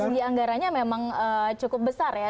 segi anggarannya memang cukup besar ya